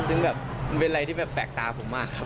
ซึ่งแบบเป็นอะไรที่แบบแปลกตาผมมากครับ